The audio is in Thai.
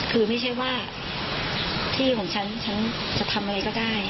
คือไม่ใช่ว่าที่ของฉันฉันจะทำอะไรก็ได้